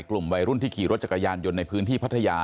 กลุ่มวัยรุ่นที่ขี่รถจักรยานยนต์ในพื้นที่พัทยา